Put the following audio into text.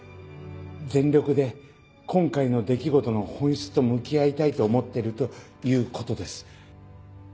全力で今回の出来事の本質と向き合いたいと思ってるということです。